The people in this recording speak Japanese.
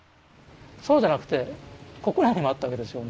そうじゃなくてここらにもあったわけですよ